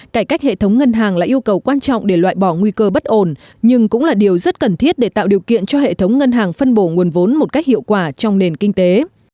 cải cách hệ thống ngân hàng là yêu cầu quan trọng để loại bỏ nguy cơ bất ổn nhưng cũng là điều rất cần thiết để tạo điều kiện cho hệ thống ngân hàng phân bổ nguồn vốn một cách hiệu quả trong nền kinh tế